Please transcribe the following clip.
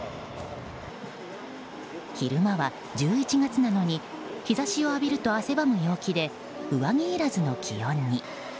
昼間は１１月なのに日差しを浴びると汗ばむ陽気で上着いらずの気温に。